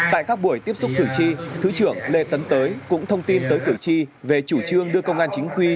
tại các buổi tiếp xúc cử tri thứ trưởng lê tấn tới cũng thông tin tới cử tri về chủ trương đưa công an chính quy